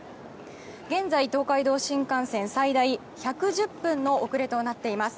現在、東海道新幹線は最大１１０分の遅れとなっています。